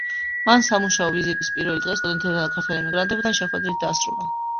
მან სამუშაო ვიზიტის პირველი დღე სტუდენტებთან და ქართველ ემიგრანტებთან შეხვედრით დაასრულა.